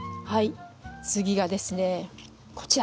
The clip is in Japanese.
次がですねこちら。